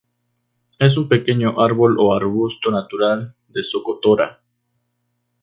Es un pequeño árbol o arbusto natural de Socotora.